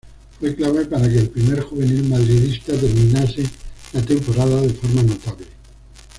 Fue clave para que el primer juvenil madridista terminase la temporada de forma notable.